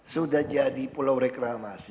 sudah jadi pulau reklamasi